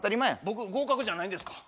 僕合格じゃないんですか？